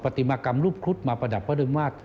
ปฏิมากรรมรูปครุฑมาประดับพระรุมาตร